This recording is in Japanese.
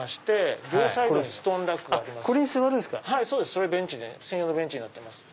それ専用のベンチになってます。